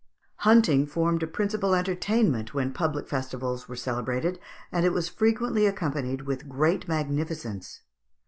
] Hunting formed a principal entertainment when public festivals were celebrated, and it was frequently accompanied with great magnificence.